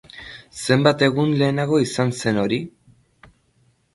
Zenbat egun lehenago izan zen hori?